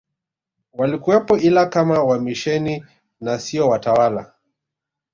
walikuwepo ila kama wamisheni na sio watawala